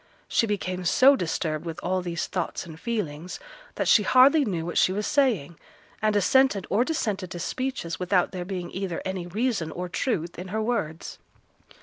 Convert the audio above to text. She became so disturbed with all these thoughts and feelings that she hardly knew what she was saying, and assented or dissented to speeches without there being either any reason or truth in her words.